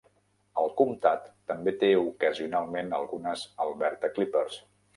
El comtat també té ocasionalment algunes "Alberta clippers".